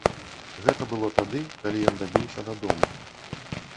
Гэта было тады, калі ён дабіўся дадому.